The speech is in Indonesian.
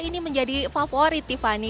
karena ini menjadi favorit tiffany